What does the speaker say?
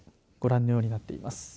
ご覧のようになっています。